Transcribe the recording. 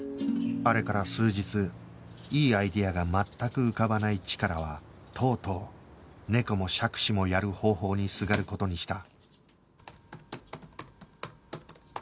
あれから数日いいアイデアが全く浮かばないチカラはとうとう猫も杓子もやる方法にすがる事にした